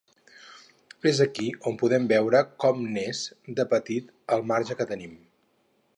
És aquí on podem veure com n’és, de petit, el marge que tenim.